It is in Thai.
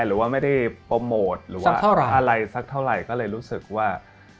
หรือว่าไม่ได้โปรโมทหรือว่าอะไรสักเท่าไหร่ก็เลยรู้สึกว่า